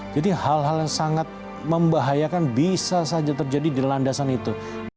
jadi hal hal yang sangat membahayakan bisa saja terjadi di landasan itu